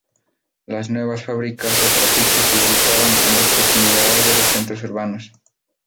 Las nuevas fábricas o trapiches se ubicaron en las proximidades de los centros urbanos.